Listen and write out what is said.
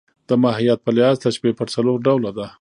د ماهیت په لحاظ تشبیه پر څلور ډوله ده.